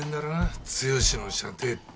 剛の舎弟って。